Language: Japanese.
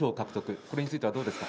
これについてはどうですか。